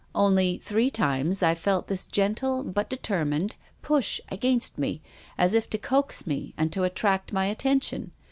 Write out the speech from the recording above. Only, three times, I felt this gentle, but determined, push against me, as if to coax me and to attract my attention.